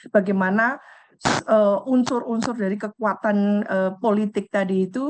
bagaimana unsur unsur dari kekuatan politik tadi itu